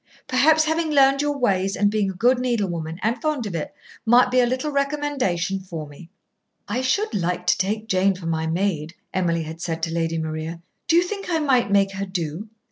Perhaps having learned your ways, and being a good needlewoman and fond of it, might be a little recommendation for me." "I should like to take Jane for my maid," Emily had said to Lady Maria. "Do you think I might make her do?"